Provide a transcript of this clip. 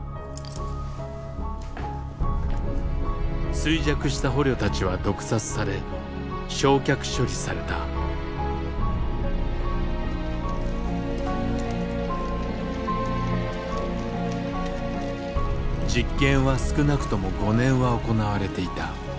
衰弱した捕虜たちは毒殺され焼却処理された実験は少なくとも５年は行われていた。